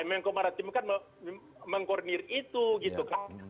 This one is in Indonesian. menko maritim kan mengkornir itu gitu kan